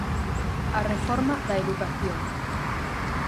A reforma da educación.